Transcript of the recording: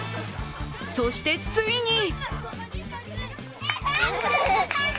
そして、ついに！